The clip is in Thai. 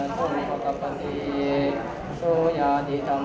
ทุติยังปิตพุทธธาเป็นที่พึ่ง